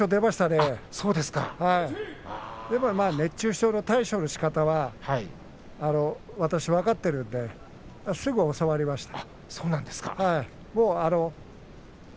でも熱中症の対処のしかたは私は分かってるのですぐ治まりました。